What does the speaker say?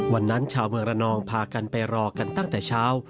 วันนั้นชาวเมืองระนองพากันไปรอกันตั้งแต่เช้า